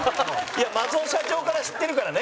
松尾社長から知ってるからね。